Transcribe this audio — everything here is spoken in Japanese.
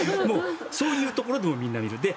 そういうところでもみんな見る。